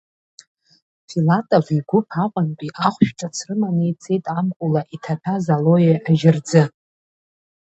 Филатов игәыԥ Аҟәантәи ахәшә ҿыц рыманы ицеит ампула иҭаҭәаз алое ажьырӡы.